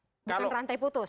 bukan rantai putus